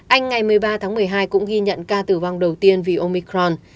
anh ngày một mươi ba tháng một mươi hai cũng ghi nhận ca tử vong đầu tiên vì omicron